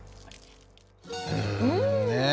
うんねえ。